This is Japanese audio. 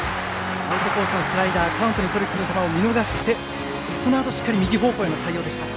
アウトコースのスライダーカウントをとりにくる球を見逃してそのあと、しっかり右方向への対応でした。